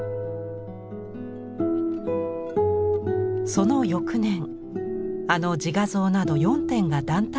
その翌年あの「自画像」など４点が団体展に入選します。